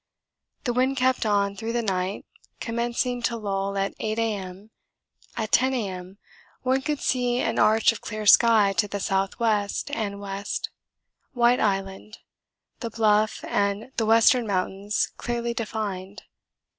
The wind kept on through the night, commencing to lull at 8 A.M. At 10 A.M. one could see an arch of clear sky to the S.W. and W., White Island, the Bluff, and the Western Mountains clearly defined.